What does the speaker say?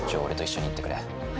俺と一緒に行ってくれ。